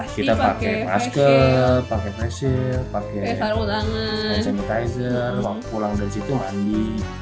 kita pakai masker pakai facial pakai sanitizer waktu pulang dari situ mandi